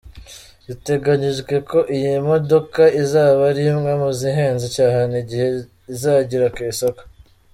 Biteganyijwe ko iyi modoka izaba ari imwe mu zihenze cyane igihe izagira kw’isoko.